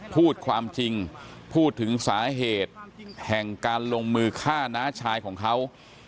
พูดความจริงพูดถึงสาเหตุแห่งการลงมือฆ่าน้าชายของเขา